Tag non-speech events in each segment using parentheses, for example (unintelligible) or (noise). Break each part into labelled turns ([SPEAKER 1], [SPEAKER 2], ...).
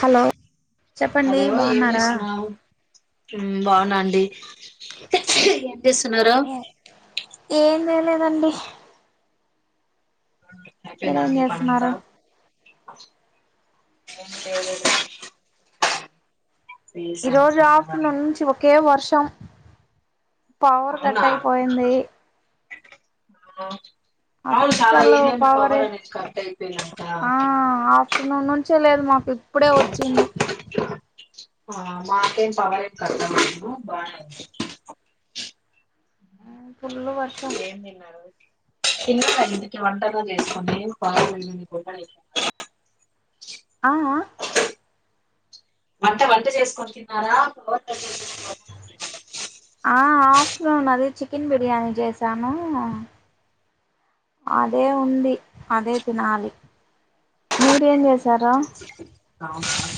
[SPEAKER 1] Hello చెప్పండి బాన్నారా
[SPEAKER 2] బాగున్నండి హాచ్చియ సున్నరు
[SPEAKER 1] లే లేదండిహ్ మీరేం చేస్నారు
[SPEAKER 2] ఎమ్ లేదు
[SPEAKER 1] ఈ రోజు
[SPEAKER 2] కదా.
[SPEAKER 1] ఆఫ్టర్నూనుంచి ఒకే వర్ష్ శం పవర్ కట్టైపోయింది
[SPEAKER 2] ఆ
[SPEAKER 1] అస్సలు పవరె
[SPEAKER 2] అనేది కట్ అయిపోయిందంట
[SPEAKER 1] ఆ ఆఫ్టర్నూన్ నుంచె లే మాకు ప్పుడే ఒచ్చింది
[SPEAKER 2] ఆ మాకేం పవరే కట్ లేదు బానే
[SPEAKER 1] ఫుల్లు వర్షం
[SPEAKER 2] ఏం (unintelligible)
[SPEAKER 1] ఆ అ
[SPEAKER 2] వంట వంట చేస్కొని తిన్నారా ఒ
[SPEAKER 1] ఆ ఆఫ్టర్నూన్ అది చికెన్ బిర్యానీ చేసానూ అదే ఉంది అదే తినాలి మీరెం చేస్
[SPEAKER 2] అవున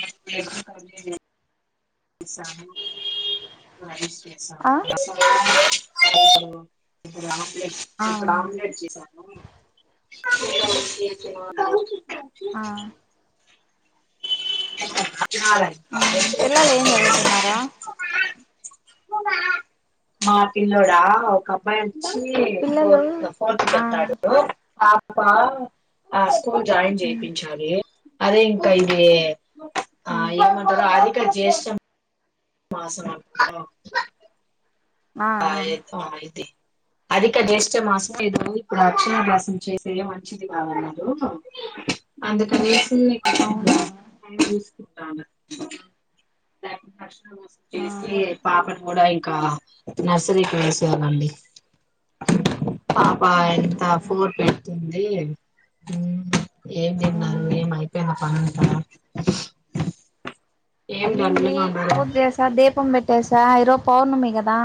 [SPEAKER 2] (unintelligible) రైస్
[SPEAKER 1] ఆ
[SPEAKER 2] సాను రసం (unintelligible) (unintelligible) లే
[SPEAKER 1] ఆ
[SPEAKER 2] ఇప్పుడు ఆమ్లెట్ చేసాను
[SPEAKER 1] ఆ పిల్లలు ఏం చదువుతున్నారా
[SPEAKER 2] మా పిల్లోడ ఒకబ్బాయి అన్
[SPEAKER 1] పిల్లలు
[SPEAKER 2] ఫోర్త్ ఫోర్త్
[SPEAKER 1] ఆ
[SPEAKER 2] చెప్తడు ఆ (inaudible) స్కూల్ జాయిన్
[SPEAKER 1] మ్
[SPEAKER 2] చేపించాలి అదే ఇంకా ఇద ఆ
[SPEAKER 1] మ్
[SPEAKER 2] ఏమంటారు ఆది కా జ్యేష్టం (inaudible) ఆ ఎతు అయితి అధిక జ్యేష్ట మాసం ఏదో ఇప్పుడు అక్షరాభ్యాసం చేసే మంచిది కాదన్నారు అందుకని (inaudible)
[SPEAKER 1] అవునా
[SPEAKER 2] (inaudible)
[SPEAKER 1] ఆ
[SPEAKER 2] చేసి పాప కూడా అయి ఆ నర్సరికి వేసవ అండి పాప
[SPEAKER 1] అవును
[SPEAKER 2] ఎంత ఫోర్ కెల్తుంది అయ్యేయం హ్మ్ ఏం తిన్నారు
[SPEAKER 1] మ్
[SPEAKER 2] ఏం అయిపోయిన పని ఏం డల్
[SPEAKER 1] అయ్యింది
[SPEAKER 2] గా ఉన్నారు
[SPEAKER 1] పూజుచేసా దీపం పెట్టసా ఈరోజు పౌర్ణమి కదా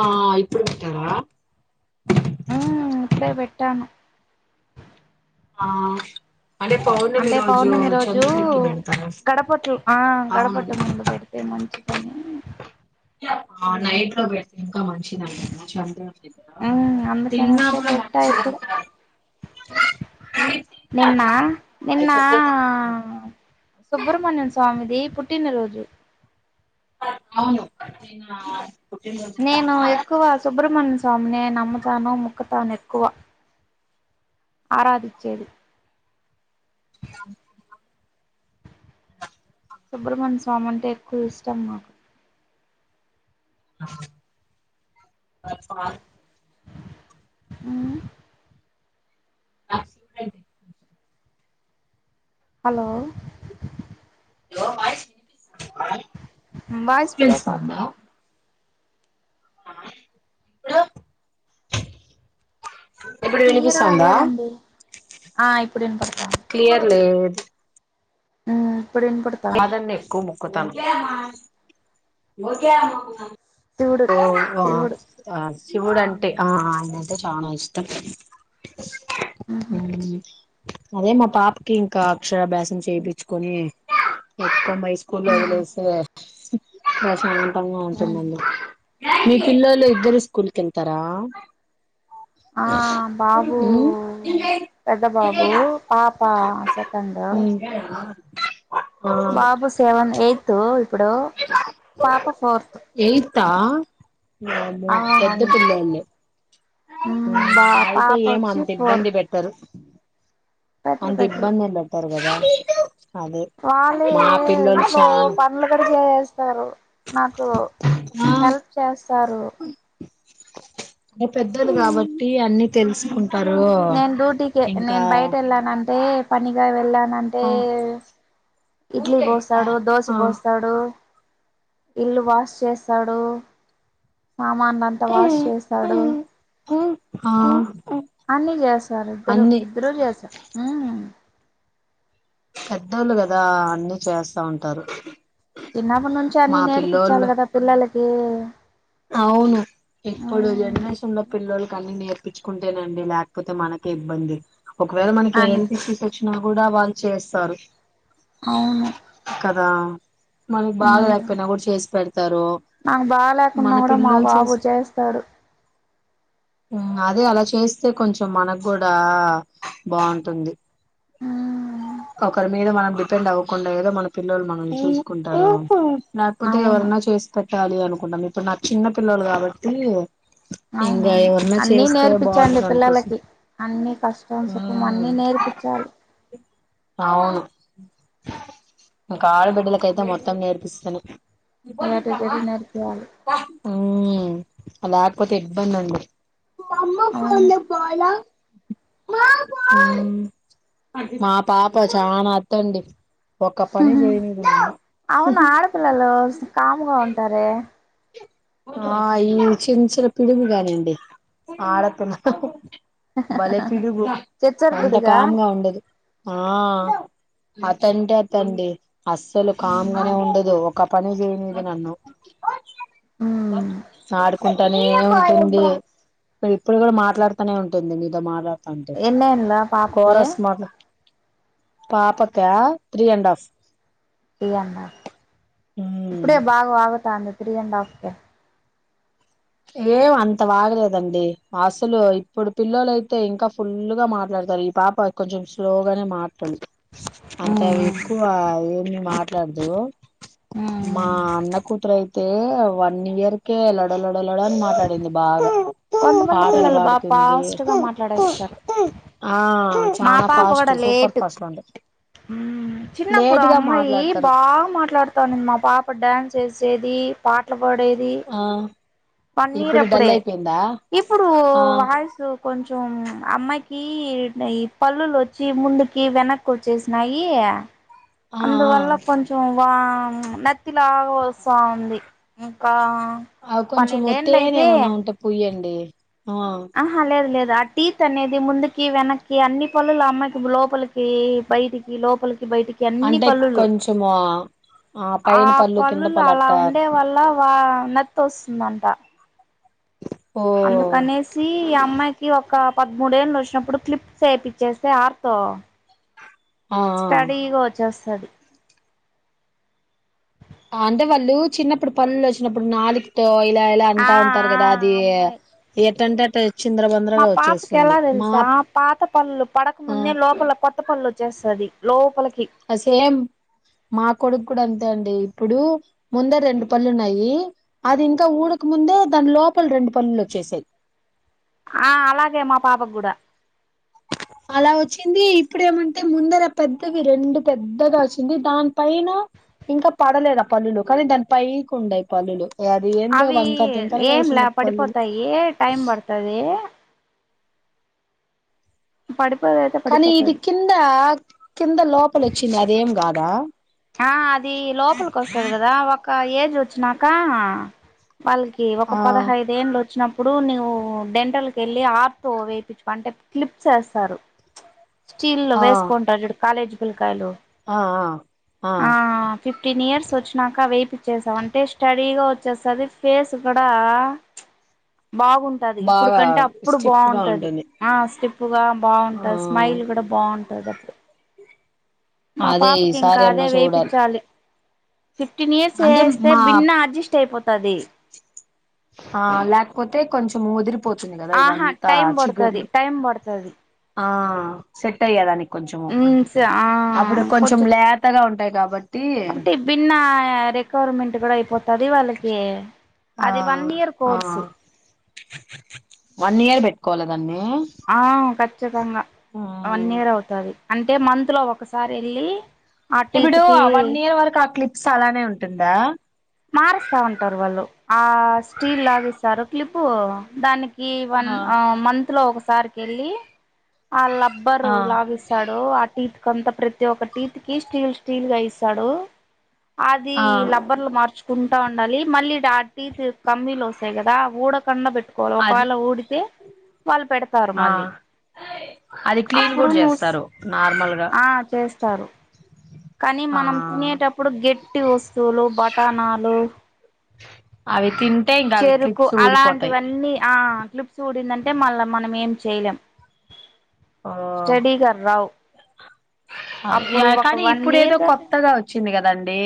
[SPEAKER 2] ఆ ఇప్పుడు పెట్టారా
[SPEAKER 1] హ్మ్ ఇప్పుడే పెట్టాను
[SPEAKER 2] ఆ అంటే పౌర్ణమి
[SPEAKER 1] అంటే
[SPEAKER 2] రోజు
[SPEAKER 1] పౌర్ణమి రోజు
[SPEAKER 2] చంద్రుడికి పెడతారా
[SPEAKER 1] గడపట్లు ఆ
[SPEAKER 2] అవును
[SPEAKER 1] గడపట్ ముందు పెడితే మంచిదని
[SPEAKER 2] ఆ నైట్లో పెడత ఆ మంచిదంటడి చంద్ర దగ్గర
[SPEAKER 1] మ్
[SPEAKER 2] తిన్నా
[SPEAKER 1] అందుకనేసే పెట్టా ఇప్పుడు
[SPEAKER 2] మంచింట
[SPEAKER 1] నిన్న
[SPEAKER 2] (unintelligible)
[SPEAKER 1] సుబ్రమణ్యం స్వామిది పుట్టినరోజు
[SPEAKER 2] అవును (unintelligible)
[SPEAKER 1] నేను ఎక్కువ సుబ్రమన్య సా స్వామినే నమ్ముతాను ముక్కతాను ఎక్కువ ఆరాధించేది సుబ్రమణ్య స్వామి అంటే ఎక్కువ ఇష్టం నాకు ఉమ్..
[SPEAKER 2] (inaudible)
[SPEAKER 1] హలో
[SPEAKER 2] హలో వాయిస్ వినిపిస్తుందా
[SPEAKER 1] వాయిస్
[SPEAKER 2] డిస్టబెన్స్
[SPEAKER 1] బ్రేక్
[SPEAKER 2] ఉందా
[SPEAKER 1] అవుతోంది
[SPEAKER 2] ఇప్పుడు ఇప్పుడు
[SPEAKER 1] క్లియర్ గా
[SPEAKER 2] వినిపిస్తుందా
[SPEAKER 1] లేదు అండి ఆ ఇప్పుడు ఇన్పడ్తాంది
[SPEAKER 2] క్లియర్ లేదు
[SPEAKER 1] ఆ ఇప్పుడు ఇన్పడ్తాంది
[SPEAKER 2] కొతాంది
[SPEAKER 1] శివుడు
[SPEAKER 2] ఓ
[SPEAKER 1] శివుడు
[SPEAKER 2] ఆ శివుడు అంటే ఆ
[SPEAKER 1] మ్మ్
[SPEAKER 2] అ చానా ఇష్టం
[SPEAKER 1] మ్మ్
[SPEAKER 2] ఉమ్ అదే మా పాపకి ఇంకా అక్షరాభ్యాసం చెపిచ్చుకొని చేత్తం మై స్కూల్ లో వదిలేసి ప్రసా తంగా
[SPEAKER 1] మ్మ్
[SPEAKER 2] వుంటుందండి మీ పిల్లోళ్ళు ఇద్దరు స్కూల్కి వెళ్తారా
[SPEAKER 1] ఆ బాబు
[SPEAKER 2] ఉమ్
[SPEAKER 1] పెద్ద బాబు పాప సెకండు
[SPEAKER 2] ఉమ్ ఆ
[SPEAKER 1] బాబు సెవెన్ ఎయిత్ ఇప్పుడు పాప ఫోర్త్
[SPEAKER 2] ఎయితా వామ్మో
[SPEAKER 1] ఆ
[SPEAKER 2] పెద్ద
[SPEAKER 1] అవును
[SPEAKER 2] పిల్ల అండి
[SPEAKER 1] బా
[SPEAKER 2] ఉమ్ అయితే
[SPEAKER 1] పాప
[SPEAKER 2] ఏమ
[SPEAKER 1] వచ్చి
[SPEAKER 2] అంత ఇబ్బంది
[SPEAKER 1] ఫోర్త్
[SPEAKER 2] పెట్టరు
[SPEAKER 1] బెటర్
[SPEAKER 2] అంత
[SPEAKER 1] బెటర్
[SPEAKER 2] ఇబ్బందిల్లో ఉంటారు గదా
[SPEAKER 1] వాళ్ళే
[SPEAKER 2] పిల్లోలు
[SPEAKER 1] ఇంట్లో
[SPEAKER 2] చానా
[SPEAKER 1] పనులు గూడా చేస్తారు నాకు
[SPEAKER 2] ఆ
[SPEAKER 1] హెల్ప్ చేస్త స్తారు
[SPEAKER 2] అంటే పెద్దది కాబట్టి అన్ని తెలుసుకుంటా
[SPEAKER 1] నేను డ్యూటీకి నేను బయట వెళ్ళాన అంటే పనిగా వెళ్ళాను అంటే
[SPEAKER 2] ఆ
[SPEAKER 1] ఇడ్లీ పోస్తాడు దోశ
[SPEAKER 2] ఆ
[SPEAKER 1] పోస్తాడు ఇల్లు వాష్ చేస్తాడు. సామాన్లు అంతా వాష్ చేస్తా డు.
[SPEAKER 2] ఉమ్ ఆ
[SPEAKER 1] అన్ని చేస్తారు ఇద్దరు
[SPEAKER 2] అన్ని
[SPEAKER 1] ఇద్దరు చేస్తారు. ఉహ్
[SPEAKER 2] పెద్దోళ్ళు కదా అన్ని చేస్తా ఉంటారు.
[SPEAKER 1] చిన్నప్పటి నుంచి అన్ని
[SPEAKER 2] మా
[SPEAKER 1] నేర్పించాలి
[SPEAKER 2] పిల్లోళ్ళు
[SPEAKER 1] కదా పిల్లల కి
[SPEAKER 2] అవును. ఇప్పుడు జనరేషన్ లో పిల్లలకన్ని నేర్ ప్పించుకుంటేనండి లేకపోతే మనకే ఇబ్బంది. ఒకవేళ మనకి
[SPEAKER 1] అన్
[SPEAKER 2] ఎం డిషిష్ వచ్చినా కూడా వాళ్ళు చేస్తారు.
[SPEAKER 1] అవును
[SPEAKER 2] కదా మనకి బాగా
[SPEAKER 1] ఉమ్
[SPEAKER 2] లేకపోయినా కూడా చేసి పెడతారు.
[SPEAKER 1] కున్నా
[SPEAKER 2] మన
[SPEAKER 1] కూడా మా
[SPEAKER 2] పిల్లలు
[SPEAKER 1] బాబు
[SPEAKER 2] చేసి
[SPEAKER 1] చేస్తాడు.
[SPEAKER 2] అదే అలా చేస్తే కొంచెం మనకు కూడా బాగుంటుంది.
[SPEAKER 1] మ్మ్
[SPEAKER 2] ఒకరి మీద మనం డిపెండ్ అవ్వకుండా. ఏదో మన పిల్లలు మనల్ని చూసుకుంటారు. లేకపోతే
[SPEAKER 1] అవును
[SPEAKER 2] ఎవరన్నా చేసిపే చాలి అనుకున్న మీ ఇప్పుడు నా చిన్న పిల్లలు కాబట్టి. ఉహ్
[SPEAKER 1] అన్ని నేర్పించండి. పిల్లలకి అన్ని కష్టం, సుఖం అన్ని
[SPEAKER 2] ఉమ్
[SPEAKER 1] నేర్పించాలి.
[SPEAKER 2] అవును ఇంకా ఆడ బిడ్డలకైతే మొత్తం నేర్పిస్తాను
[SPEAKER 1] ఏట జేడీ నరిపియాలి
[SPEAKER 2] హ లేకపోతే ఇబ్బంది అండి అమ్మా పా
[SPEAKER 1] అవును
[SPEAKER 2] ఉంట పోాల మా పాప చానా అత్తండి ఒక్క పని
[SPEAKER 1] హహహ
[SPEAKER 2] చేయనీదు నన్ను
[SPEAKER 1] అవును ఆడపిల్లల్లో కామ్గా ఉంటారే
[SPEAKER 2] ఆ ఈ చిన్ చిన్న పిడుగు గానిండి ఆడపిల్ల బలే పిడుగు
[SPEAKER 1] చిచ్చర
[SPEAKER 2] అంత
[SPEAKER 1] పిడుగా
[SPEAKER 2] కామ్ గా ఉండదు ఆ అతంటే అతండి అస్సలు కామ్ గా నే
[SPEAKER 1] మ్మ్
[SPEAKER 2] ఉండదు ఒక పని చేయనిది నన్ను సార్ కుంటానే ఉంటుంది. ఇప్పుడు కూడా మాట్లాడుతనే ఉంటుంది. మీతో మాట్లాడు
[SPEAKER 1] ఎన్నేళ్ళు ఆ పాపకి
[SPEAKER 2] పాపకి ఆ త్రీ అండ్ హఫ్
[SPEAKER 1] ఇయన్న ఇప్పుడే భాగ వాగుతాంది త్రీ అండ్ హాఫ్ కే
[SPEAKER 2] ఏం అంత బాగలేదండి అసలు ఇప్పుడు పిల్లోలయితే ఇంకా ఫుల్ గా మాట్లాడతారు, ఈ పాప కొంచెం స్లోగానే మాట్లా అంటే అవి
[SPEAKER 1] మ్మ్
[SPEAKER 2] ఎక్కువ ఏమి మా ట్లాడదు మా అన్న కూతురై తే వన్ ఇయర్ కె లోడ లొడ లొడ అని మాట్లాడింది బాగా
[SPEAKER 1] కొంతమంది
[SPEAKER 2] పాటలు
[SPEAKER 1] పిల్లలు బాగా
[SPEAKER 2] పాడుతుంది
[SPEAKER 1] పాజిటివ్ గా మాట్లాడేస్సరు
[SPEAKER 2] ఆ
[SPEAKER 1] మా
[SPEAKER 2] చానా
[SPEAKER 1] పాప
[SPEAKER 2] ఫాస్ట్
[SPEAKER 1] కూడా
[SPEAKER 2] సూపర్
[SPEAKER 1] లేటు
[SPEAKER 2] ఫాస్ట్ ఉంది లేటుగా మాట్లాడతారు
[SPEAKER 1] డ్యాన్స్ చేసేది పాట్ల వాడేది
[SPEAKER 2] ఆ
[SPEAKER 1] వన్ ఇయర్
[SPEAKER 2] ఇప్పుడు డల్
[SPEAKER 1] అప్పుడే
[SPEAKER 2] అయిపోయిందా
[SPEAKER 1] ఇప్పుడు
[SPEAKER 2] ఆ
[SPEAKER 1] వాయిసు కొంచెం చం అమ్మాకి ఈ పల్లులు వచ్చి ముందుకి వెనక్కు వచ్చేసినాయి.
[SPEAKER 2] ఆ
[SPEAKER 1] అందువల్ల కొంచం వా నత్తి లాగ వస్తా ఉంది ఇంకా
[SPEAKER 2] ఆ కొంచెం తేనె
[SPEAKER 1] పన్నెండేండ్లయితే
[SPEAKER 2] ఏమన్నా ఉంటే పుయ్యం డి
[SPEAKER 1] ఆహా లేదు లేదు ఆ టీత్ అనేది ముందుకి వెనక్కి అన్ని పళ్ళులు ఆ అమ్మాయికి లోపలికి బయటికి లోపలి బయటికి అన్ని
[SPEAKER 2] అంటే
[SPEAKER 1] పళ్ళులు,
[SPEAKER 2] కొంచెము
[SPEAKER 1] ఆ
[SPEAKER 2] పైన పళ్ళు కింద
[SPEAKER 1] పళ్ళులు
[SPEAKER 2] పళ్ళు
[SPEAKER 1] అలా
[SPEAKER 2] అట్ట
[SPEAKER 1] ఉండే వల్ళ వా నత్తి వస్తుందంట,
[SPEAKER 2] ఓ
[SPEAKER 1] అందుకనేసి ఈ అమ్మాయికి ఒక పద్మూడేళ్ళు వచ్చినప్పుడు క్లిప్స్ వేపిచ్చేస్తే ఆర్తో
[SPEAKER 2] ఆ ఆ
[SPEAKER 1] స్టడీ కోచ్చస్ చడి
[SPEAKER 2] అంటే వాళ్ళు చిన్నప్పుడు పళ్ళు వచ్చినప్పుడు నాలుకతో ఇలా ఇలా
[SPEAKER 1] ఆ
[SPEAKER 2] అంటా ఉంటారు కదా
[SPEAKER 1] ఆ
[SPEAKER 2] అది
[SPEAKER 1] అమ్మాయి
[SPEAKER 2] ఎట్టంటేట్
[SPEAKER 1] మా పాపకి ఎలా తెలుసా పాత పళ్ళు పడకముందే లోపల కొత్త పళ్ళు చ్చేస్తది లోపలికి
[SPEAKER 2] అ సేమ్ మా కొడుక్ కూడా అంతే అండి ఇప్పుడు ముందార రెండు పల్లున్నాయి అది ఇంకా ఊడక ముందే దాని లోపల రెండు పనులు వచ్చేసాయి
[SPEAKER 1] ఆహ్ అలాగే మా పాపకు కూడా
[SPEAKER 2] అలా వచ్చింది ఇప్పుడు ఏమంటే ముందర పెద్దవి రెండు పెద్దగా వచ్చింది దాని పైన ఇంకా పడలేదు ఆహ్ పల్లులు కానీ దాని పైకి ఉండయి పల్లులు అది ఏందో
[SPEAKER 1] అవి
[SPEAKER 2] వంకర టింకరగా
[SPEAKER 1] ఏంలా
[SPEAKER 2] వచ్చిన పల్లులు
[SPEAKER 1] పడిపోతాయి టైం పడుతది పడిపోదయితే
[SPEAKER 2] కానీ ఇది
[SPEAKER 1] పడిపోతది
[SPEAKER 2] కింద కింద లోపల వచ్చింది అదేం కాదా
[SPEAKER 1] ఆహ్ అది లోపలికి వస్తది కదా ఒక ఏ వచ్చనాకా వాళ్ళకి ఒక
[SPEAKER 2] ఆ
[SPEAKER 1] పదహైదు ఏళ్ళు వచ్చిన ఇప్పుడు నువ్ డెంటల్కి ఏళ్ళి ఆర్తో వేపించుకో అంటే క్లిప్స్ ఏస్తారు స్టీల్ లో వేసుకుఉంటారు చూడు కాలేజీ పిల్లకాయలు
[SPEAKER 2] ఆహ్ ఆఆహ్
[SPEAKER 1] ఆహ్ ఫిఫ్టీన్ ఇయర్స్ వచ్చినక వయి చ్చేసాం అంటే స్టడీగా వచ్చేస్తది ఫేస్ కూడా బాగుంటది ఇప్పుడు
[SPEAKER 2] బాగా
[SPEAKER 1] కంటే అప్పుడు
[SPEAKER 2] స్టిఫ్ గా
[SPEAKER 1] బాగుంటది
[SPEAKER 2] ఉంటుంది
[SPEAKER 1] ఆహ్ స్టిప్ గా
[SPEAKER 2] ఆ
[SPEAKER 1] బాగుంటది స్మైల్ కూడా బా (unintelligible) మా
[SPEAKER 2] అదే
[SPEAKER 1] పాపకి ఇన్
[SPEAKER 2] ఈసారి అన్న
[SPEAKER 1] కాదే
[SPEAKER 2] చూడాలి
[SPEAKER 1] వేయిపిన్చాలి ఫిఫ్టీన్ ఇయర్స్
[SPEAKER 2] అంటే
[SPEAKER 1] ఏయేస్తే
[SPEAKER 2] మా
[SPEAKER 1] భిన్న అడ్జస్ట్ అయిపోతది
[SPEAKER 2] ఆహ్ లేకపోతే కొంచెం ఓదిరిపో
[SPEAKER 1] ఆహా టైమ్ పడతది టైమ్ పడతది
[SPEAKER 2] ఆహ్ సెట్ అయ్యే దానికి కొంచెము
[SPEAKER 1] మ్మ్ స ఆ
[SPEAKER 2] అప్పుడు కొంచెం లేతగా ఉం బట్ (unintelligible)
[SPEAKER 1] అంటె భిన్న రికవర్మెంట్ కూడా ఇయిపో అది వాళ్ళకి అది వన్
[SPEAKER 2] ఆహ్
[SPEAKER 1] ఇయర్ కోర్సు
[SPEAKER 2] ఆహ్ వన్ ఇయర్ కోలా దాని
[SPEAKER 1] ఆహ్ కచితంగా వన్ ఇయర్ అవుతది అంటే మంత్ లో ఒకసారి ఏళ్ళి
[SPEAKER 2] ఇప్పుడు వన్ ఇయర్ వరకు ఆహ్ క్లిప్స్ అలానే ఉంటుందా
[SPEAKER 1] మారుస్తా ఉంటారు వాళ్ళు ఆహ్ స్టీల్ లాగి ఇస్తారు క్లిప్పు దాని ఈ వన్
[SPEAKER 2] ఆ
[SPEAKER 1] మంత్ లో ఒక సార్కి వెళ్ళ ఆ
[SPEAKER 2] ఆ
[SPEAKER 1] లబ్బరు లాభిస్తాడు ఆ టీత్కంత ప్రతి ఒక తికి స్టీల్ స్టీల్ గా ఇస్తాడు అది
[SPEAKER 2] ఆ
[SPEAKER 1] లబ్బర్లు మార్చ తంటా ఉండాలి మళ్ళీ టి కమ్మీలు వస్తాయి కదా ఊడకండా పెట్
[SPEAKER 2] అది
[SPEAKER 1] కొలవకాయలు ఊడితే వాళ్ళు పెడతారు
[SPEAKER 2] ఆ
[SPEAKER 1] మళ్ళీ
[SPEAKER 2] అది క్లీన్
[SPEAKER 1] అప్పుడు
[SPEAKER 2] కూడా
[SPEAKER 1] నువ్వు
[SPEAKER 2] చేస్తారు నార్మల్గా
[SPEAKER 1] ఆ చేస్త స్తారు కానీ
[SPEAKER 2] ఆ
[SPEAKER 1] మనం తినేటప్పుడు గట్టి వస్తువులు బటానాాలు
[SPEAKER 2] అవి తన్
[SPEAKER 1] చెరుకు అలాంటివన్నీ ఆ క్లిప్స్ కూఊడిందంటే మళ్ళా మనం ఏం చేయాల్ం
[SPEAKER 2] ఓ
[SPEAKER 1] స్టడీ గా రావ్
[SPEAKER 2] అ కానీ
[SPEAKER 1] వన్
[SPEAKER 2] ఇప్పుడు ఏదో కొత్తగా వచ్చింది కదా అండి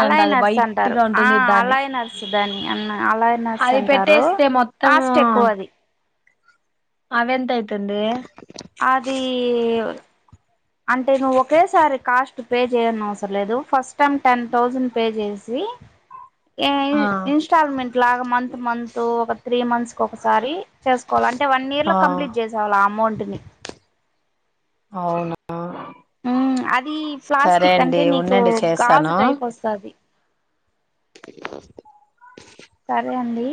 [SPEAKER 1] అలాయ్ నర్స్ అంటారు ఆ
[SPEAKER 2] దాన్ని
[SPEAKER 1] అలాయ్ నర్స్ దాని అ అలాయ నర్స్
[SPEAKER 2] అది
[SPEAKER 1] అంటారు
[SPEAKER 2] పెట్టేస్తే మొత్తం
[SPEAKER 1] కాస్ట్ ఎక్కువ అది
[SPEAKER 2] అవె ఎంతయితుంది
[SPEAKER 1] అది అంటే నువ్వు ఒకేసారి కాస్ట్ పే చేయని అవసరం లేదు first time ten thousand pay చేసి
[SPEAKER 2] ఆ
[SPEAKER 1] ఇన్స్టాల్మెంట్ లాగా మంత్ మంత్ ఒక త్రీ మంత్స్ క ఒకసారి చేసుకోవాలి అంటే వన్ ఇయర్ లో
[SPEAKER 2] ఆ
[SPEAKER 1] కంప్లీట్ చేసేవాలి ఆ అమౌంట్
[SPEAKER 2] అవునా
[SPEAKER 1] ఉ అది
[SPEAKER 2] సరే
[SPEAKER 1] ప్లాస్టిక్
[SPEAKER 2] అండి
[SPEAKER 1] అంటే నీకు
[SPEAKER 2] ఉండండి
[SPEAKER 1] గాజు
[SPEAKER 2] చేస్తాను
[SPEAKER 1] టైప్ వస్తుది సరే అండి